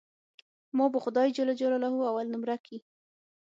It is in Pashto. ما به خداى جل جلاله اول نؤمره کي.